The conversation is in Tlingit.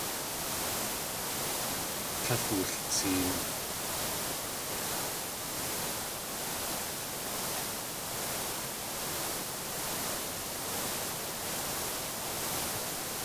Tlél wultseen.